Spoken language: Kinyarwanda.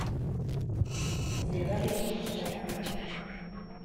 zibahe amafaranga